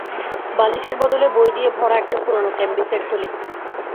বালিশের বদলে বই দিয়ে ভরা একটা পুরোনো ক্যাম্বিসের থলি।